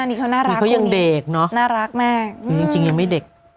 นี่เขาน่ารักกว่านี้น่ารักแม่กจริงยังไม่เด็ก